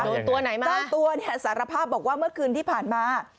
ตัวไหนมาเจ้าตัวเนี่ยสารภาพบอกว่าเมื่อคืนที่ผ่านมา